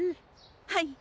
はい。